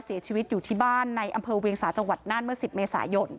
เสียชีวิตอยู่ที่บ้านในอำเภอเวียงสาจังหวัดน่านเมื่อ๑๐เมษายน